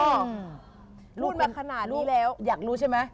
รุ่นมาขนาดนี้แล้วอยากรู้ใช่ไหม